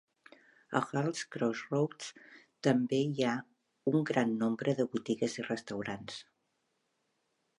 A Halls Crossroads també hi ha un gran nombre de botigues i restaurants.